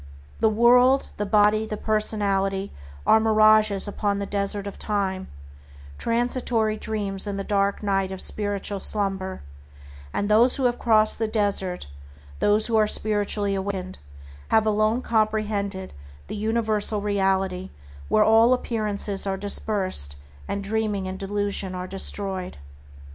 The world, the body, the personality are mirages upon the desert of time; transitory dreams in the dark night of spiritual slumber, and those who have crossed the desert, those who are spiritually awakened, have alone comprehended the Universal Reality where all appearances are dispersed and dreaming and delusion are destroyed.